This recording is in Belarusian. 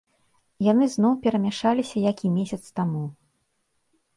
Яны зноў перамяшаліся як і месяц таму.